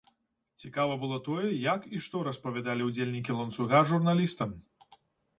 Цікава было тое, як і што распавядалі ўдзельнікі ланцуга журналістам.